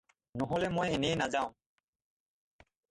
নহ'লে মই এনেয়ে নাযাওঁ।